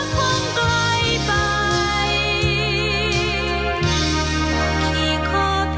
ขอบคุณค่ะ